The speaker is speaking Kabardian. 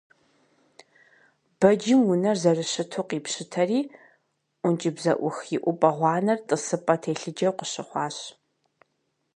Бэджым унэр зэрыщыту къипщытэри, ӀункӀыбзэӀух иӀупӀэ гъуанэр тӀысыпӀэ телъыджэу къыщыхъуащ.